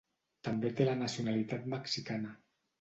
També té la nacionalitat mexicana.